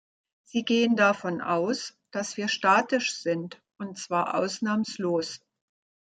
Sie gehen davon aus, dass wir statisch sind, und zwar ausnahmslos.